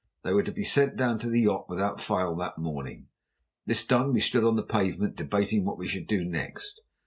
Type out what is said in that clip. They were to be sent down to the yacht without fail that morning. This done, we stood on the pavement debating what we should do next.